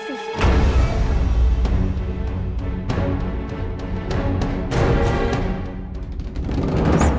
terima kasih ya mbak